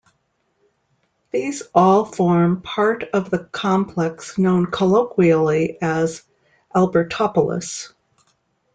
These all form part of the complex known colloquially as Albertopolis.